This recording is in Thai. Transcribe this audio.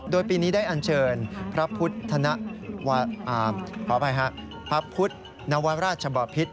โดยปีนี้ได้อัญเชิญพระพุทธนวราชบพิษ